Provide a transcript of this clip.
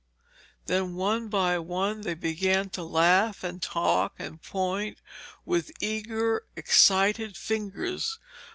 Then one by one they began to laugh and talk, and point with eager, excited fingers.